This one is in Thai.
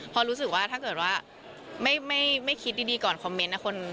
พอรู้สึกว่าถ้าเกิดว่าไม่คิดดีก่อนคอมเมนต์นะ